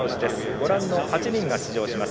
ご覧の８人が出場します。